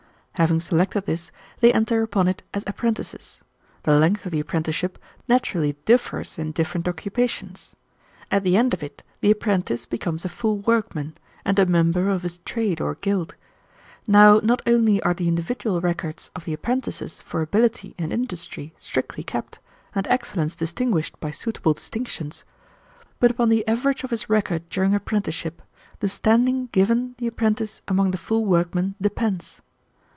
Having selected this, they enter upon it as apprentices. The length of the apprenticeship naturally differs in different occupations. At the end of it the apprentice becomes a full workman, and a member of his trade or guild. Now not only are the individual records of the apprentices for ability and industry strictly kept, and excellence distinguished by suitable distinctions, but upon the average of his record during apprenticeship the standing given the apprentice among the full workmen depends.